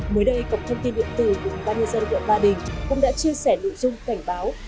mới đây cộng thông tin điện tử của ban nhân dân của ba đình cũng đã chia sẻ nội dung cảnh báo